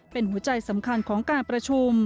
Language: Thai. เป็นหัวใจสำคัญของการประชุม